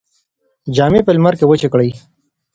جامې په لمر کې وچې کړئ.